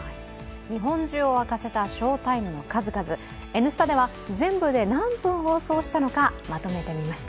日本中を沸かせた翔タイムの数々、「Ｎスタ」では全部で何分放送したのか、まとめてみました。